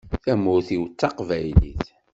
Tamurt-iw d taqbaylit.